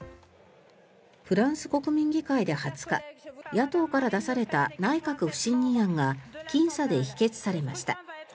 フランス国民議会で２０日野党から出された内閣不信任案がきん差で否決されました。